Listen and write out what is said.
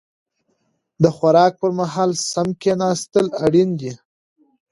د خوراک پر مهال سم کيناستل اړين دي.